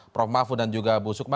prof mahfud dan juga bu sukma